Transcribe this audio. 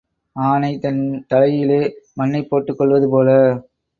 ஆனை தன் தலையிலே மண்ணைப் போட்டுக் கொள்வது போல.